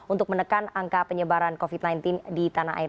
untuk menekan angka penyebaran covid sembilan belas di tanah air